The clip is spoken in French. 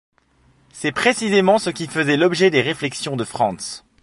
C’est précisément ce qui faisait l’objet des réflexions de Franz.